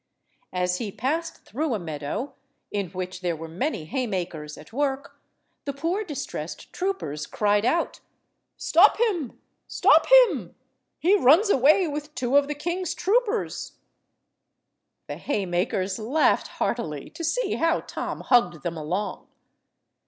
As he passed through a meadow, in which there were many haymakers at work, the poor distressed troopers cried out— "Stop him! stop him! He runs away with two of the king's troopers." The haymakers laughed heartily to see how Tom hugged them along.